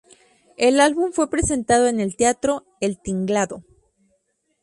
El álbum fue presentado en el teatro "El Tinglado"".